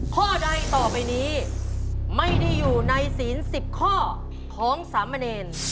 ข้อใดต่อไปนี้ไม่ได้อยู่ในศีล๑๐ข้อของสามเณร